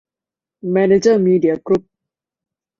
แมเนเจอร์ มีเดีย กรุ๊ป